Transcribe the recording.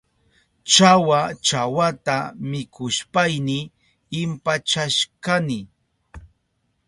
Chawa chawata mikushpayni impachashkani.